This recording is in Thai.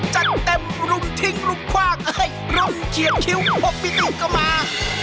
จัดเต็มรุ่มทิ้งรุ่มควากรุ่มเขียบคิ้ว๖ปีตีก็มา